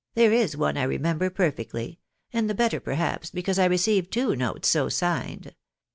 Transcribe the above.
there is one I remember perfectly ; and the better, perhaps, because I received two notes so signed.